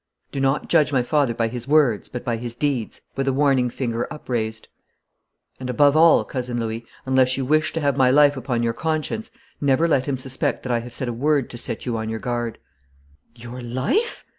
'Do not judge my father by his words, but by his deeds,' said she, with a warning finger upraised; 'and, above all, Cousin Louis, unless you wish to have my life upon your conscience, never let him suspect that I have said a word to set you on your guard.' 'Your life!'